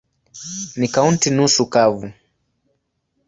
Ni kaunti nusu kavu.